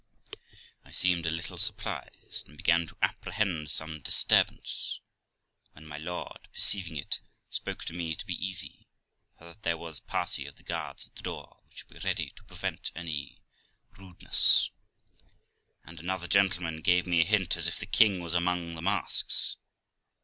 I seemed a little surprised, and began to apprehend some disturbance, when my Lord perceiving it, spoke to me to be easy, for that there was a party of the guards at the door which should be ready to prevent any rudeness; and another gentleman gave me a hint as if the king was among the masks.